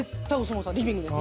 リビングです。